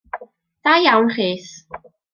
Da iawn Rhys!